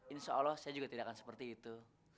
insya allah saya juga tidak akan seperti itu